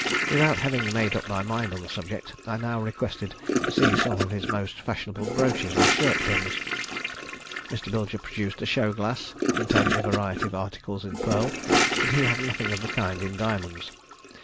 Without having made up my mind on the subject, I now requested to see some of his most fashionable brooches or shirt pins. Mr. Bilger produced a show glass, containing a variety of articles in pearl, but he had nothing of the kind in diamonds.